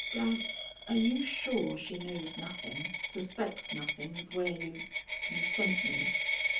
Dad, are you sure she knows nothing, suspects nothing of where you you sent me?"